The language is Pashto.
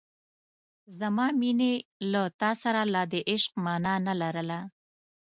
زما مینې له تا سره لا د عشق مانا نه لرله.